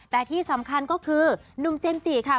แต่ที่สำคัญก็คือหนุ่มเจมส์จิค่ะ